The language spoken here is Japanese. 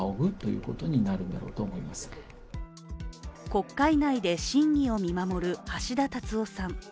国会内で審議を見守る橋田達夫さん。